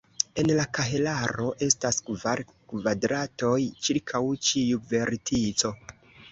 En la kahelaro estas kvar kvadratoj ĉirkaŭ ĉiu vertico.